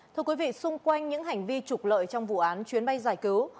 thưa quý vị xung quanh những hành vi trục lợi trong vụ án chuyến bay giải cứu